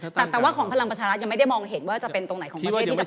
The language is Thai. แต่ว่าของพลังประชารัฐยังไม่ได้มองเห็นว่าจะเป็นตรงไหนของประเภทที่จะเพิ่มขึ้นนะ